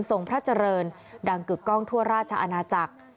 พระเจริญดังกึกกล้องทั่วราชอาณาจักร